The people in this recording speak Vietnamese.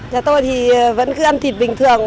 nhà tôi thì vẫn cứ ăn thịt bình thường